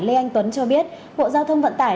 lê anh tuấn cho biết bộ giao thông vận tải